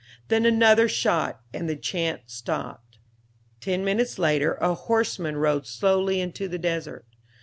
Then another shot and the chant stopped. Ten minutes later a horseman rode slowly into the desert.